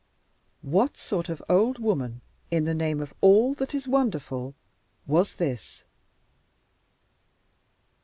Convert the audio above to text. What sort of old woman, in the name of all that is wonderful, was this?